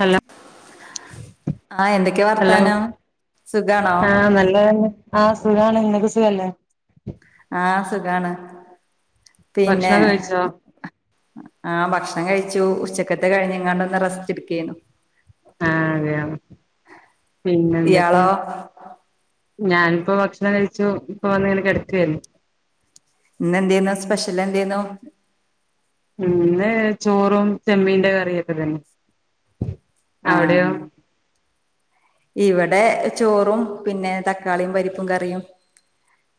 Hello. ആഹ് എന്തൊക്കെ hello വർത്താനം സുഖാണോ ആഹ് നല്ലതന്നെ. ആഹ് സുഖാണ് ങ്ങക്ക് സുഖല്ലേ? ആഹ് സുഖാണ് പിന്നെ. ഭക്ഷണം കഴിച്ചോ ആഹ് ഭക്ഷണം കഴിച്ചു. ഉച്ചക്കത്തെ കഴിഞ്ഞ്കാണ്ടൊന്ന് റസ്റ്റ് എടുക്കേയ്നു. ആഹ് അതെയൊ ഇയാളോ പിന്നെന്തൊക്കെയാണ് ഞാനിപ്പോ ഭക്ഷണം കഴിച്ചു ഇപ്പ വന്ന് ങ്ങനെ കെട്ക്കേയ്ന്. ഇന്നെന്തേന്നു സ്പെഷ്യൽ എന്തേന്നു? ഇന്ന് ചോറും ചെമ്മീന്റെ കറിയൊക്കെ തന്നെ. ആഹ്. അവിടെയോ ഇവടെ ചോറും പിന്നെ തക്കാളിം പരിപ്പും കറിയും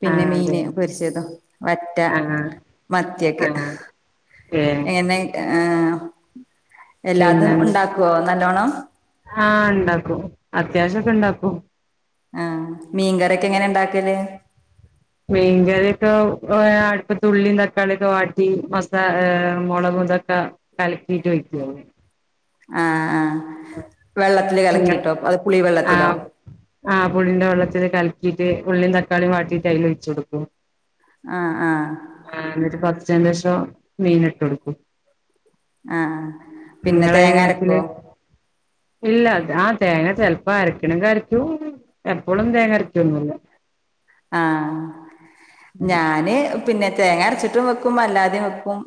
പിന്നെ ആഹ് മീന് അതെയോ പൊര്ച്ചതും, വറ്റ. ആഹ് മത്തൊക്കെ ആഹ് ഏഹ് ഏനെക് ഏഹ്. എല്ലാതും പിന്നെ ഉണ്ടാക്കോ നല്ലോണം. ആഹ് ഇണ്ടാക്കും അത്യാവശ്യൊക്കെ ണ്ടാക്കും. ആഹ്, മീൻകറൊക്കെങ്ങനെണ്ടാക്കല്. മീൻകറൊക്കെ അടുപ്പത്ത് ഉള്ളിം തക്കാളൊക്കെ വാട്ടി മസാഏഹ് മൊളകും. ഇതൊക്കെ കലക്കീട്ടൊയ്ക്കോ. ആഹ് ആഹ് വെള്ള ഇങ്ങൾ ആഹ്. ആഹ് പുളിന്റെ വെള്ളത്തില് കലക്കീട്ട് ഉള്ളിം തക്കാളിംവാട്ടീട്ട് അയ്ലൊഒഴിച്ചൊടുക്കും. ആഹ് ആഹ്. ആഹ് എന്നിട്ട് പത്ചേൻ്റേഷം മീന്ട്ട് കൊടാക്കും. ആഹ്, പിന്നെ നിങ്ങളെങ്ങനെ ആക്കല് തേങ്ങര്ക്കോ. ഇല്ല ആ തേങ്ങ ചെലപ്പോ അരക്കണങ്കി അരക്കു എപ്പോഴും തേങ്ങ അരക്കൊന്നുല്ല. ആഹ്, ഞാന് പിന്നെ തേങ്ങ അര്ച്ചിട്ടും വെക്കും അല്ലാതിംവെക്കും.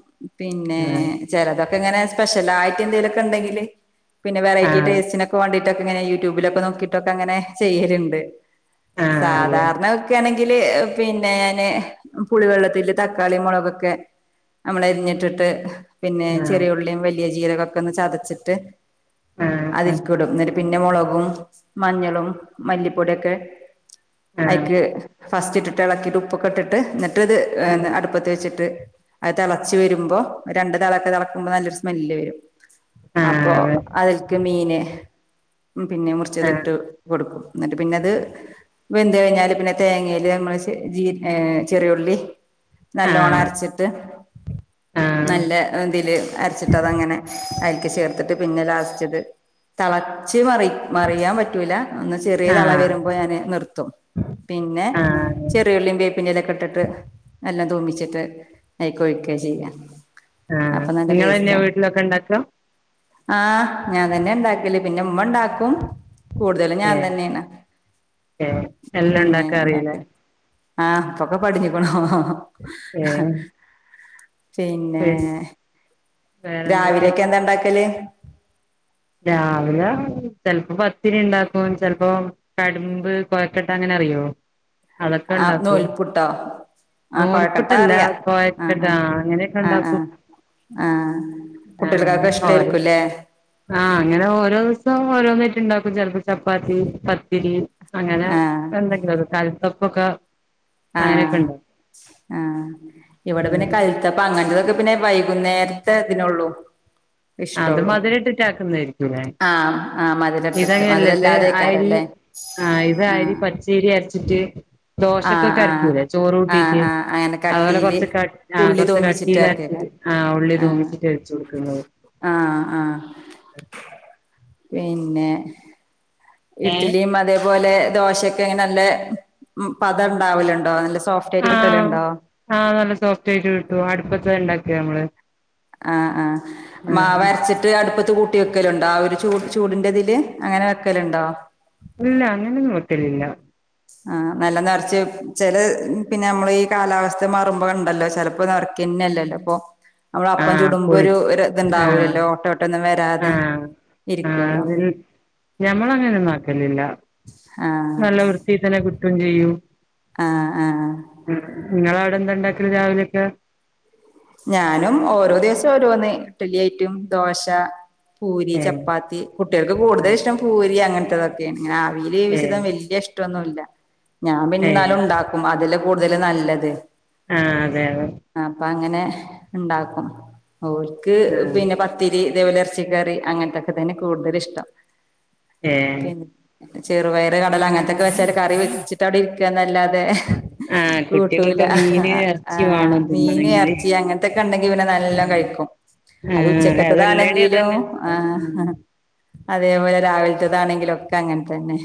പിന്നെ ആ ചെലതൊക്കെങ്ങനെ സ്പെഷ്യലായാട്ട് എന്തെങ്കിലൊക്കെ ണ്ടെങ്കില്. പിന്നെ ആ വെറൈറ്റി ടേസ്റ്റിനൊക്കെ വേണ്ടിട്ടൊക്കെങ്ങനെ യൂട്യൂബിലൊക്കെ നോക്കീട്ടൊക്കെങ്ങനെ ചെയ്യല്ണ്ട് അതെ സാധാരണ ക ങ്കില് പിന്നേന് പുളിവെള്ളത്തില് തക്കാളിം മൊളകൊക്കെ. നമ്മളരഞ്ഞിട്ടിട്ട് പിന്നെ ആ ചെറിയുള്ളിം വല്യ ജീരകൊക്കൊന്ന് ചതച്ചിട്ട്. ആ അതിൽക്ക്ടും, ന്ന്ട്ട് പിന്നെ മൊളകും. മഞ്ഞളും മല്ലിപ്പൊടോക്കെ ആ ആ ആ അയ്ക്ക്ല് ഫസ്റ്റ് ഇട്ടിട്ട് എളക്കിട്ട് ഉപ്പൊക്കെട്ടിട്ട് എന്നിട്ട്ത് അടുപ്പത്ത് വെച്ചിട്ട്. അത് തെളച്ച് വരുമ്പോ രണ്ട് തിളക്കെ തെളക്കുമ്പോ നല്ലൊരു സ്മെല്ല് വരും അപ്പോ. അതെ അയ്ൽക്ക് മീന് പിന്നെ ആ മുറിച്ചത്ട്ട് കൊട്ക്കും. എന്നിട്ട് പിന്നത് വെന്ത് കഴ്ഞ്ഞാല് പിന്നെ. തേങ്ങേല് നമ്മള് ചെ ജീ അ് ചെറിയുള്ളി ആ ആ നല്ലോണം അര്ച്ചിട്ട്. നല്ല ഇതില് അരച്ചിട്ട് അതങ്ങനെ അയ്ക്ക് ചേർ ത്തിട്ട് പിന്നെ ലാസ്റ്റിത് തെളച്ച് മറി മറിയാംപറ്റൂല. ഒന്ന് ചെറീയ ആ ആ തള വരുമ്പോ ഞാന് നിർത്തും. പിന്നെ ആ ചെറിയുള്ളിം വേപ്പിന്റെലൊക്കെട്ടിട്ട് നല്ലം തൂമ്പിച്ചിട്ട്. അയിക്കൊഴിക്ക ചെയ്യാ. ആഹ് അപ്പൊ നല്ല നിങ്ങളെന്ന്യാ ടേസ്റ്റാണ് വീട്ടിലൊക്കെ ഇണ്ടാക്കാ? ആഹ് ഞാൻ തന്നെയാ ഇണ്ടാക്കല്. പിന്നെമ്മ ഇണ്ടാക്കും, കൂടുതലും ഞാൻ തന്നെയാണ്. തെ പിന്നെ എല്ലണ്ടാക്കാറീലെ? ഉണ്ടാക്കല് ആഹ് ഇപ്പൊക്കെ പടിച്ചീക്ണു ഏഹ്. പിന്നേ വേറെന്തൊക്കെയാ രാവിലെക്കെ എന്താ ഇണ്ടാക്കല്? രാവില ചെലപ്പോ പത്തിരി ഇണ്ടാക്കും. ചെലപ്പോ കടുമ്പ് കൊഴക്കട്ടങ്ങനറിയോ? അതൊക്കെ ആഹ് ഇണ്ടാക്കും നൂൽപുട്ടോ ആഹ് കൊഴക്കട്ട നൂൽപ്പുട്ടല്ല, അറിയാം ആഹ് കൊയക്കട്ടാ അങ്ങനെയൊക്കെ ആഹ് ആഹ് ഇണ്ടാക്കും. ആഹ് ആഹ് കുട്ടികൾക്കക്കെ ഇഷ്ടായിരിക്കുല്ലേ? ആഹ് അങ്ങനെ ഓരോ ദിവസം ഓരോന്നായിറ്റ്ണ്ടാക്കും ചെലപ്പോ ചപ്പാത്തി, പത്തിരി. അങ്ങനെ ആഹ് എന്തെങ്കിലൊരു കൽത്തപ്പൊക്കെ ആഹ് ആഹ് ഇവിടെ പിന്നെ കൽ ത്തപ്പ അങ്ങനത്തതൊക്കെ പിന്നെ വൈകുന്നേരത്തെതിനെള്ളൂ. അത് മധുരിട്ടിറ്റാക്കുന്നതായിരിക്കുല്ലേ? ആഹ് ആഹ് മധുരട്ടിട്ട് ഇതഹ് അല്ല. ഇത് അരി മധുരല്ലാതെയ്ക്കാരല്ലേ ആഹ് ഇതരി ആഹ് പച്ചേരി അരച്ചിട്ട് ആഹ് ദോശക്കൊക്കെ ആഹ് അരക്കൂല്ലേ ചോറ് ആഹ് കൂട്ടീറ്റ് ആഹ് അങ്ങനെ അഹ്പോലെ കട്ടീല് കൊറച്ച് കട്ട് ആ ഉള്ളി കൊറച്ച് തൂമിച്ചിട്ട് കട്ടീലരച്ചിറ്റ് ആക്കിയേക്കാരം ആഹ് ഉള്ളി ആഹ് തൂമ്പിച്ചിട്ട് ഒഴിച്ചു കൊടുക്കല്. ആഹ് ആഹ് പിന്നെ ഏഹ് ഇട്ട്ലിയും അതേപോലെ ദോശെക്കെ ങ്ങനെ നല്ല പതണ്ടാവലുണ്ടോ? നല്ല സോഫ് റ്റരി ആഹ് കിട്ടലുണ്ടാ? ആഹ് നല്ല സോഫ്‌റ്റായിറ്റ് കിട്ടു അടുപ്പത്തെ ഇണ്ടാക്കിയ നമ്മള്. ആഹ് ആഹ് ആഹ് മാവരച്ചിട്ട് ട്ട് അടുപ്പത്ത് കൂട്ടി വെക്കലുണ്ടോ? ആ ഒരു ചൂട് ചൂടിന്റെതില്. അങ്ങനെ വെക്കലുണ്ടൊ? ഇല്ലാ അങ്ങനൊന്നും വെക്കലില്ല. ആഹ് നല്ലെന്നെറച്ച് ചില പിന്നെ നമ്മളീ കാലാവസ്ഥ മാറുമ്പോണ്ടല്ലോ ചിലപ്പോ നൊറ ക്കിന്നല്ലല്ലോ പ്പൊ [unintelligible] നമ്മളപ്പം പൊളി ചൂടുമ്പോരു ഒര് ആഹ് ഇത്ണ്ടാവൂലല്ലോ ഓട്ട ഓട്ട ഒന്നും വരാതെ? ആഹ് ആഹ് ഇരികോലോ. അതിൽ ഞമ്മളങ്ങനൊന്നും ആക്കലില്ല, ആഹ് നല്ല വൃത്തി തന്നെ കിട്ടും ചെയ്യും. ആഹ് ആഹ്. നിങ്ങളവിടെന്താണ്ടാക്കല് രാവിലെയൊക്കെ? ഞാനും ഓരോ ദിവസം ഓരോന്ന് ഇട്ട്ലിയായിറ്റും ദോശ പൂരി, ഏഹ് ചപ്പാത്തി. കുട്ടികൾക്ക് കൂടുതലിഷ്ടം പൂരി അങ്ങനത്തെതൊക്കെ പിന്നെ ആവിൽ ഏ വേവിച്ചത് വെല്യ ഇഷ്ട്ടൊന്നുല്ല്യ. ഞാൻ പിന്നെ ഏ ന്നാലുണ്ടാ ക്കും. അതല്ലെ കൂടുതല് നല്ലത്. ആഹ് അതെ അതെ. അപ്പൊ അങ്ങനെ ഇണ്ടാക്കും ഓർക്ക് ആ പിന്നെ പ ത്തിരി ഇതേവലെ എറച്ചിക്കറി അങ്ങൻത്തൊക്കെ തന്നെ കൂടുതലിഷ്ടം. ഏ പിൻ ചെറുപയർ കടല അങ്ങനത്തൊക്കെ വെച്ചാല് കറി വെച്ച് ട്ടവിടിരിക്കുഅന്നല്ലാതെ ആ കൂട്ടൂല. കുട്ടികൾക്കൊക്കെ മീന് ആ ഇറച്ചി വേണം മീന് എർ തിന്നണെങ്കില് ർച്ചി അങ്ങനത്തൊക്കെ ഇണ്ടെങ്കി ഇവിടെ ആ നല്ലോം കഴിക്കും. ആ അതെല്ലാടേം അതുച്ചക്കത്തതാണെങ്കിലും അതന്നെ ആഹ് അതേപോലെ രാവിലത്തതാണെങ്കിലൊക്കെ അങ്ങൻതന്നെ.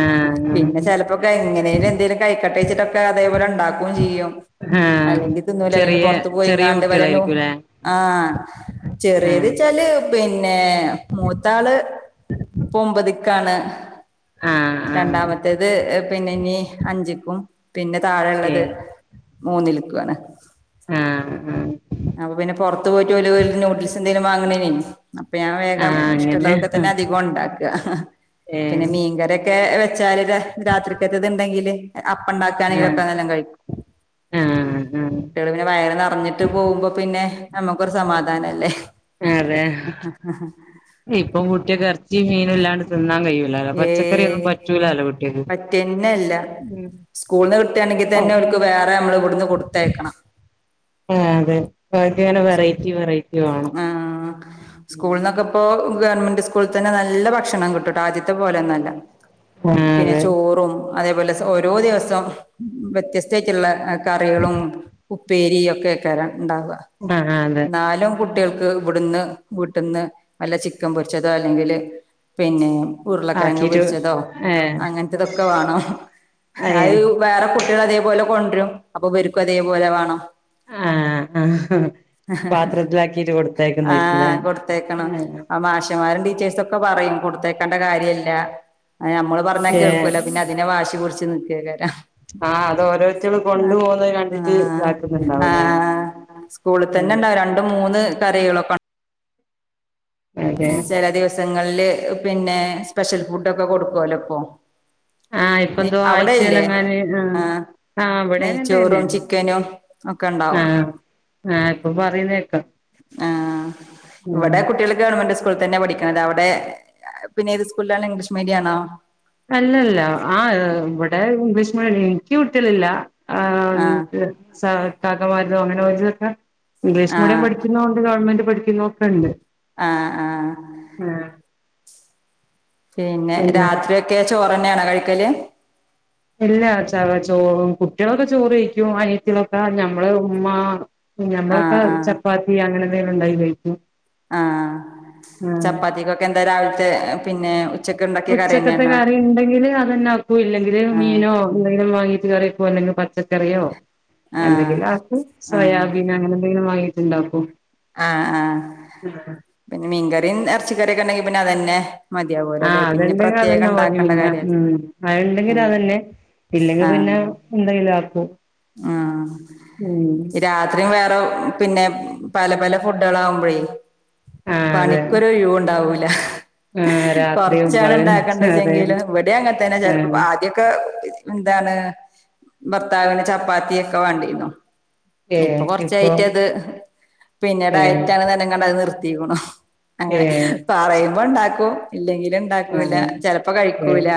ആഹ്. പിന്നെ ചിലപ്പോക്കെ എങ്ങനേലും എന്തേലും കൈക്കട്ടെചിറ്റൊക്കെ അതേപോലെ ഇണ്ടാക്കും ചെയ്യും. ആഹ് അല്ലെങ്കി തിന്നൂല അല്ലെങ്കി ചെറീയ പൊറത്ത് പോയിങ്ങാണ്ട് വലനു ആഹ് ആ ചെറിയത്ച്ചാല് പിന്നെ മൂത്താള് ഇപൊമ്പതിക്കാണ്. ആ ആ രണ്ടാമത്തേത് പിന്നെ ഇനി അഞ്ചിക്കും. പിന്നെ ഏ താഴെള്ളത് മൂന്നില്ക്കുവാണ്. ആഹ് ആഹ് അപ്പൊ പിന്നെ പുറത്ത് പോയി്ടോല് നൂഡിൽസ് എന്തേലും വാങ്ങണേനെ. അപ്പൊ ഞാൻ ആ വേഗം അങ്ങനെ ഇഷ്ടമുള്ളതൊക്കെ തന്നെ അധികം ഉണ്ടാക്ക ഏ പിന്നെ മീൻകറിയൊക്കെ. എ വെച്ചാല് രാത്രിക്കത്തെത്ണ്ടെങ്കില്. അപ്പ ആ ഉണ്ടാക്കാണെങ്കിലൊക്കെ നലോണം കഴിക്കും. ആ കുട്ടികള് പിന്നെ വയറ് നറഞ്ഞിട്ട് പോകുമ്പോ പിന്നെ നമ്മുക്കൊരു സമാധാനല്ലേ? അതെ ഇപ്പൊ കുട്ടിയാക്ക് ഇറച്ചി മീനുല്ലാണ്ട് തിന്നാൻ കഴിയുല. പച്ചക്കറി ഒന്നും ഏയ് പറ്റൂലലോ കുട്ടിയാക്ക്. പറ്റന്നെല്ല സ്കൂളിന്ന് കിട്ടാണെങ്കിൽ തന്നെ ഓൽക്ക് വേറെ നമ്മള് ഇവിടുന്ന് കൊടുത്തേക്കണം. ആ അതെ ഓൽക് ങ്ങനെ വെറൈറ്റി വെറൈറ്റി. വേണം ആഹ് സ്കൂൾന്നൊക്കെ. ഇപ്പൊ ഗവൺമെന്റ് സ്കൂളിൽ തന്നെ നല്ല ഭക്ഷണം കിട്ടൂട്ടോ ആദ്യത്തെ പോലെന്നല്ല. ആഹ് പിന്നെ അതെ ചോറും. അതേപോലെ ഓരോ ദിവസം വ്യത്യസ്തയിട്ടുള്ള കറികളും. ഉപ്പേരി ഒക്കെക്കാരും ഉണ്ടാവുക. ആഹ് ആഹ് ന്നാലും കുട്ടികൾക്ക് ഇവിടുന്ന് വീട്ടിൽന്ന് നല്ല ചിക്കൻ പൊരിച്ചതോ അല്ലെങ്കില്. പിന്നെ ഉരുളക്കിഴങ്ങ് ആക്കീട്ട് പൊരിച്ചതോ ഏഹ് അങ്ങനത്തതൊക്കെ വേണം ഏഹ് അത്. വേറെ കുട്ടികൾ അതേപോലെ കൊണ്ടുരും അപ്പൊ ഇവെൽക്കും അതേപോലെ വേണം. ആഹ് ആ പാത്രത്തിലാക്കിട്ട് കൊടുത്തേക്കണ ആയിരിക്കുലെ ആ അച്ച്ചമാരും ടീച്ചേഴ്സ ഒക്കെ പറയും കൊടുത്തേക്കേണ്ട കാര്യമല്ല നമ്മള് പറഞ്ഞാൽ ഏഹ് കേൾക്കൂല പിന്നെ. പിന്നെ വാശി പുടിച്ച് നിക്കേക്കാരും. ആഹ് അത് ഓരോരുത്തരും കൊണ്ട് പോവുന്ന കണ്ടിട്ട് ആഹ് ഇതാക്കുന്നുണ്ടാവും ലെ ആഹ് സ്കൂളിൽ തന്നെ ഇണ്ടാവും രണ്ട് മൂന്ന് കറികളൊക്കെ. പി അതെ ചെല ദിവസങ്ങളില് പിന്നെ സ്പെഷ്യൽ ഫുഡൊക്കെ കൊടുക്കുലോ ഇപ്പൊ. ആഹ് ഇപ്പ നീ എന്തോ അവിടെയില്ലേ? ആഴ്ചയിലെങ്ങാന് ആഹ് ആഹ് ഇവിടെ അങ്ങനെ നെയ്ച്ചോറും തന്നെയാ ചിക്കനും ഒക്കെ ഇണ്ടാവും. ആഹ് ആഹ് ഇപ്പൊ പറയുന്നേക്കാം ആഹ് ഉം ഇവിടെ കുട്ടികൾ. ഗവൺമെന്റ് സ്കൂളിൽ തന്നെ പഠിക്കുന്നത് അവിടെ പിന്നെ ഏത് സ്കൂളിലാണ് ഇംഗ്ലീഷ് മീഡിയ ആണോ? അല്ലല്ല ആ ഇവിടെ ഇംഗ്ലീഷ് മീഡിയം എനിക്ക് കുട്ടിയ ളില്ല. ആഹ് [unintelligible] ഇംഗ്ലീഷ് മീഡിയം ആഹ് പഠിക്കുന്നതുണ്ട് ഗവൺമെന്റ് പഠിക്കുന്നതൊക്കെ ണ്ട്. ആഹ് ആഹ് ഏഹ് പിന്നെ രാത്രി ഒക്കെ ചോറന്നേണോ കഴിക്കല്? ഇല്ലച്ചാറ ചോറും കുട്ടികളൊക്കെ ചോറ് കിഴിക്കും അനിയത്തിയാളൊക്കെ ഞമ്മള് ഉമ്മ. ആഹ് ഞമ്മളൊക്കെ ആഹ് ചപ്പാത്തി അങ്ങനെന്തെങ്കിലും ണ്ടാക്കികഴിക്കും. ആഹ് ചപ്പാത്തിക്കൊക്കെന്താ രാവിൽ ത്തെ പിന്നെ. ഉച്ചക്ക് ഉണ്ടാക്കിയ കറി ഉച്ചക്കത്തെ തന്നെയാണോ കറിണ്ടെങ്കില് അതെനാക്കൂ ഇല്ലെങ്കില് ആഹ് മീനോ. എന്തെങ്കിലും വാങ്ങീട്ട് കറി വെക്കും അല്ലെങ്കിൽ പച്ചക്കറിയോ ആഹ് എന്തെങ്കിലും ആക്കു സോയാ ആഹ് ബീനോ അങ്ങനെന്തെങ്കിലും വങ്ങിട്ട്ണ്ടാകും. ആഹ് ആഹ് പിന്നെ മീൻകറി എർച്ചിക്കറിയൊക്കെണ്ടെങ്കി പിന്നതന്നെ. ആ്ഹ് അത്ണ്ടെങ്കിൽ അതന്നെ മതി പിന്നെ കാര്യ ഉം അത്ണ്ടെങ്കി രാവിലെ. ഇല്ലെങ്കി പിന്നെ ആഹ് എന്തെങ്കിലും ആക്കും. ആഹ് ഉം ഈ രാത്രിയമ്മള് ഏറോ പിന്നെ പല പല ഫുഡുകളാവുമ്പഴേ ആഹ് അതെ പണിക്കൊരു ഒഴിവുണ്ടാവൂല. ആഹ് രാത്രിയും കൊർച്ചാണ് പകലും അതെ ഇണ്ടാക്കണ്ടച്ചങ്കിലും വട്യും അങ്ങൻത്തന്നെ ചെലപ്പോ ആഹ് ആദ്യം. ക്ക ന്താണ് ഭർത്താവിന് ചപ്പാത്തിയൊക്കെ വാണ്ട്യേരും ഇപ്പൊ കൊർച്ചായിട്ടത് പിന്നേ ഏഹ് ഡയറ്റാണ്ന്നർഞ്ഞ് ക്കാണ്ടത് നിർത്തിക്കുണു. അങ്ങനെ ഏഹ് പറയുമ്പോ ണ്ടാക്കും ഇല്ലെങ്കില് ണ്ടാക്കൂല ആഹ് ചെലപ്പോ ഏഹ് കഴിക്കൂല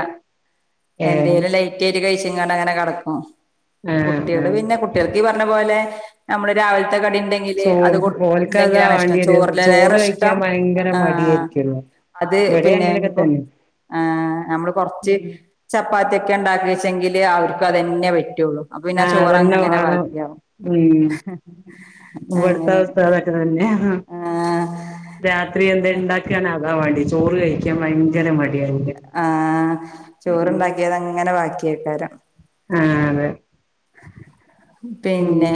ഏഹ് എന്തേലും ലൈ യിട്ട് കഴിച്ച്ങ്ങാണ്ടങ്ങനെ കടക്കും ആഹ് കുട്ട്യള് ആഹ് പിന്നെ കുട്ട്യൾക്കീ പർഞ്ഞ പോലെ നമ്മള് രാവിൽത്തെ കടിണ്ടെ ങ്കില് അത് ചോറ് കൊട് ഓൽക്കതാ ണ്ടെങ്കിലാണ് ഇഷ്ടം വാണ്ടിയത് ചോറ് ചോറിലേറെ കഴിക്കാൻ ഇഷ്ടം ഭയങ്കര ആഹ് മടിയായിരിക്കുല്ലോ അത് ഇവിടെ പിന്നെ അങ്ങനെയൊക്കെ ഇനിയിപ്പൊ തന്നെ ഏഹ് നമ്മള് കൊർച്ച് ഉം ചപ്പാത്തിയൊക്കെ ണ്ടാക്യേച്ചെങ്കില് അവർക്ക് അതെന്നെ പെറ്റുള്ളൂ അപ്പൊ പിന്നെ ആഹ് അതന്നെ ചോറങ്ങനെ വേണം ബാക്ക്യാവും ഉം ഇവിടുത്തെ അങ്ങനെ അവസ്ഥ അതൊക്കെ ആഹ് ത്രീ എന്തേം ണ്ടാക്കാണേ അതാ വാണ്ടിയെ, ചോറ് കഴിക്കാൻ ഭയങ്കര മ ആഹ് ചോറ്ണ്ടാക്കിയഅതങ്ങനെ ബാക്കിയേക്കാരം ആഹ് അതെ ഉം പിന്നെ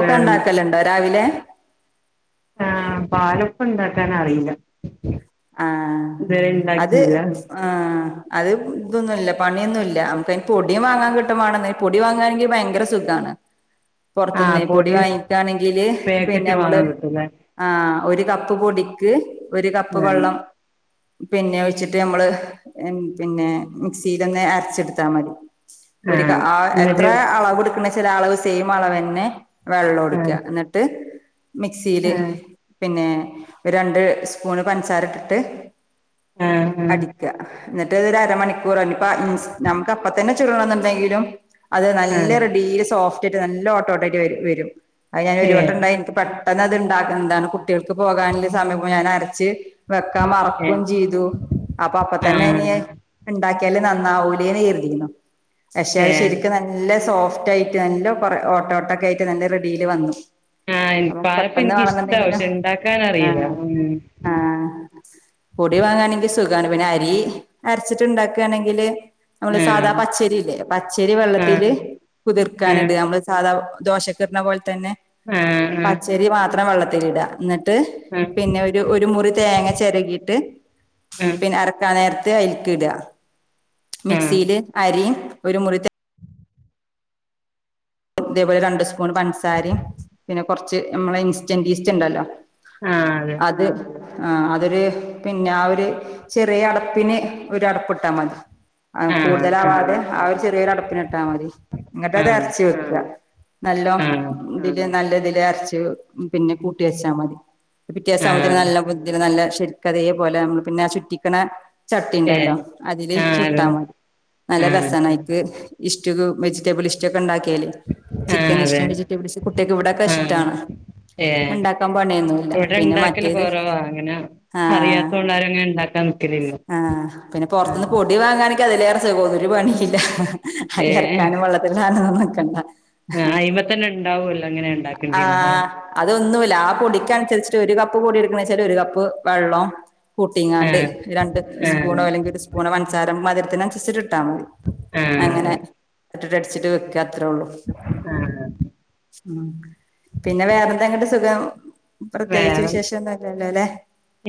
വേറെ രാവിലെ ആഹ് പാലപ്പം ണ്ടാക്കാനറീലാ ആഹ് അത് തുവരെണ്ടാക്കീല്ലാ ആഹ് അത് തൊന്നും ഇല്ല പണിയൊന്നുംല്ല നമുക്കയ്ന് പൊടി വാങ്ങാൻ കിട്ടുമാണെന്ന് പൊടി വാങ്ങാെനെങ്കി ഭയങ്കര സുഖാണ് പുറ്ത്ത്ന്ന് പൊടി വാങ്ങിക്കാണെങ്കില് പാക്കറ്റ് പിന്നെ മ്മള് വാങ്ങാൻ കിട്ടുംല്ലേ ആഹ് ഒര് കപ്പ് പൊടിക്ക് ഒര് കപ്പ് ആഹ് വെള്ളം പിന്നെ ഒഴിച്ചിട്ട് ഞമ്മള് പിന്നെ മിക്സിലൊന്ന് അരച്ചെടുത്താ മതി ഒര് ക ആഹ് എത്രേ അളവ്ട്ക്ക്ണേച്ചാല് ആ അളവ് സെയിം അളവെന്നെ ആഹ് വെള്ളുട്ക്ക്വാ ന്നിട്ട് മിക്സീല് ആഹ് പിന്നെ ഒരു രണ്ട് സ്പൂണ് പൻസാരട്ടിട്ട് ഉം ഉം ന്നിട്ടതൊരു അരമണിക്കൂറൊ ഇനിപ്പോ മീൻസ് നമുക്ക് അപ്പ തന്നെ ചുടണംന്ന്ണ്ടെങ്കിലും അത് നല്ല ആഹ് റെഡീല് സോഫ്റ്റായിട്ട് നല്ല ഓട്ടോട്ടയ്ട്ട് വെരും അത് ഞാൻ ഒരു വട്ടം ഏഹ് ഉണ്ടായി ഇൻക്ക് പെ പെട്ടെന്ന് അത്ണ്ടാക്കൺതാണ്. കുട്ട്യേൾക്ക് പോകാന്ള്ള സമയാവുംമ്പോ ഞാനരച്ച് വെക്കാൻ ഏഹ് മറക്കും ചെയ്തു അപ്പൊ അപ്പ തന്നെ ആഹ് ഇനിയെ ഇണ്ടാക്ക്യാല് നന്നാവൂലേന്ന് കെര്തീന്നു പക്ഷേ അത് ഏഹ് ശരിക്കും നല്ല സോഫ്റ്റായി നല്ലോം കൊറേ ഓട്ട ഓട്ടക്കായിട്ട് നല്ല റെഡീല് വന്നു ആഹ് എനി അപ്പൊ പാലപ്പം പെട്ടെന്ന് വേണെന്ന് എനിക്കിഷ്ടാ ഇണ്ടെങ്കിലും പക്ഷെ ഇണ്ടാക്കാൻ അറിയില്ല ആഹ് ഉം ആഹ് ആഹ് പൊടി വാങ്ങാണെങ്കി സുഖാണ് പിന്നെ അരി അര്ച്ചിട്ട് ഇണ്ടാക്കാണെങ്കില് നമ്മളെ സാധാ ആഹ് പച്ചരി ഇല്ലേ പച്ചരി വെള്ളത്തില് ആഹ് കുതിർക്കാന്ടാ അമ്മള് സാധാ ദോശക്കിട്ണ പോല തന്നെ ഏഹ് ഉം ച്ചരി മാത്രം വെള്ളത്തിലിടാ ഇന്ന്ട്ട് പിന്നെ ആഹ് ഒരു ഒ രു മുറി തേങ്ങ ചെരകീട്ട് പിന്നെ അരക്കാൻ നേരത്ത് അയില്ക്ക് ഇടാ ആഹ് ആഹ് മിക്സീല് അരിം ഒരു മുറി തേ ഇതേ പോലെ രണ്ട് സ്പൂൺ പൻസാരിം പിന്നെ കൊറ്ച്ച് ഞമ്മളെ ഇൻസ്റ്റന്റ് ഈസ്റ്റ് ഇണ്ടല്ലോ ആഹ് അതെ അത് ആഹ് അതൊരു പിന്നെ ആ ഒരു ചെറിയ അടപ്പിന് ഒരു അടപ്പ് ഇട്ടാ മതി ആഹ് കൂടുതലാവാതെ ആ ഒരു ചെറിയൊരു അടപ്പിന് ഇട്ടാമതി ഇന്ന്ട്ട്ത് അരച്ച് വെ ക്കാ നല്ലോം ആഹ് ഇതിന്റെ നല്ലതില് അരച്ച് പിന്നെ കൂട്ടി വെച്ചാ മതി പിറ്റേസാവുമ്പോത്തിന് ആഹ് നല്ലോം [unintelligible] നല്ലേം ശെരിക്കതെ പോലെ ഞമ്മൾ പിന്നെ ആ ചുറ്റിക്ക്ണേ ഏഹ് ആഹ് അതെ ചട്ടിണ്ടല്ലോ അതില് ആഹ് ചുട്ടാ മതി നല്ല ആഹ് രസാണയ്ക്ക് ഇസ്റ്റൂക്ക് വെജിറ്റബിൾ ഇസ്റ്റൂ ഒക്കെ ഇണ്ടാക്കിയാല് ചിക്കൻ സ്റ്റൂ അതെ വെജിറ്റബിൾസ് കുട്ട്യാൾക്ക് ഇവടൊക്കെ ആഹ് ഇഷ്ടാണ് ഏഹ് ഇണ്ടാക്കാൻ പണിയൊന്നുല്ല പിന്നെ മറ്റേത് ആഹ് അറിയാത്തോണ്ടാരും അങ്ങനെ ഇണ്ടാക്കാൻ നിക്കല് ആഹ് പിന്നെ പൊറത്ത്ന്ന് പൊടി വാങ്ങാണെങ്കി അതിലേറെ സുഖം ഒരു പണിയില്ല അരി ഏഹ് അരക്കാനും വെള്ളത്ത് ഇടാനൊന്നും നിക്കണ്ട ആഹ് അയിമതന്നെ ഇണ്ടാവല്ലോ എങ്ങനെ ഇണ്ടാക്കണ്ടേന്ന്ല്ലേ ആഹ് അതൊന്നുല്ല ആ പൊടിക്കന്സര്ച്ചിട്ട് ഒരു കപ്പ് പൊടി എടുക്ക്ണേച്ചാല് ഒരു കപ്പ് വെള്ളം കൂട്ടിങ്ങാണ്ട് ആഹ് രണ്ട് ആഹ് സ്പൂണോ അല്ലെങ്കി ഒരു സ്പൂണോ പന്സാരം മധുരത്തിന് അന്സരിച്ചിട്ട് ഇട്ടാൽ മതി അങ്ങനെ ആഹ് ഇട്ടിട്ട് അടിച്ചിട്ട് വെക്കാ അത്രോള്ളു ആഹ് ഉം പിന്നെ വേറെന്താങ്ങട്ട് സുഖം പ്രത്യേകിച്ച് വേറെ വിശേഷം ഒന്നുല്ലല്ലോല്ലെ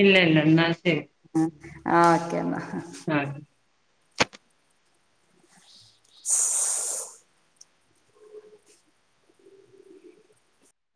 ഇല്ല ഇല്ല എന്നാ ശരി ആഹ് ആഹ് ഓക്കെ എന്നാ ആഹ്